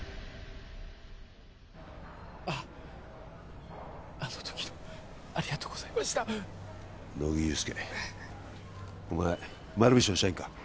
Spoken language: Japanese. あっあの時のありがとうございました乃木憂助お前丸菱の社員か？